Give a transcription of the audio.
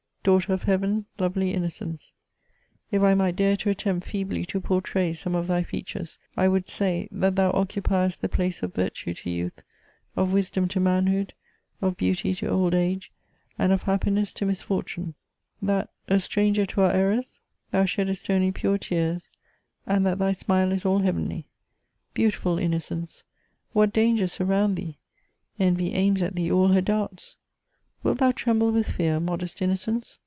" Daughter of heaven, lovely innocence ! if I might dare to attempt feebly to pourtray some of thy features, I would say, that thou occupiest the place of virtue to youth, of wis dom to manhood, of beauty to old age, and of happiness to misfortune ; that, a stranger to our errors, thou .sheddest only pure tears, and that thy smile is all heavenly. Beautiful innocence ! What dangers surround thee ! Envy aims at thee all her darts ! Wilt thou tremble with fear, modest innooenee